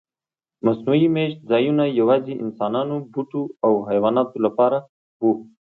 مصنوعي میشت ځایونه یواځې انسانانو، بوټو او حیواناتو لپاره و.